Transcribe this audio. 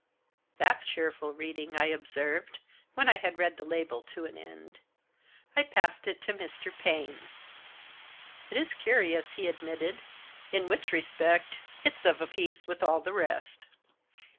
" That's cheerful reading," I observed, when I had read the label to an end. I passed it to Mr. Paine. "It is curious," he admitted. "In which respect it's of a piece with all the rest."